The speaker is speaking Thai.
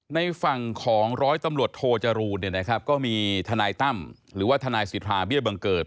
ในฝั่งของร้อยตำรวจโทจรูลเนี่ยนะครับก็มีทนายตั้มหรือว่าทนายสิทธาเบี้ยบังเกิด